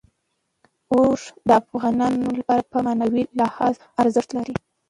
اوښ د افغانانو لپاره په معنوي لحاظ ارزښت لري.